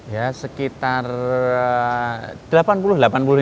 ya sekitar delapan puluh sembilan puluh persen